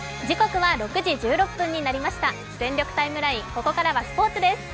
ここからはスポ−ツです。